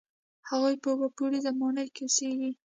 هغوی په اووه پوړیزه ماڼۍ کې اوسېږي.